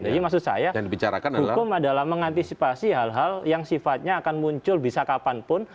jadi maksud saya hukum adalah mengantisipasi hal hal yang sifatnya akan muncul bisa kapanpun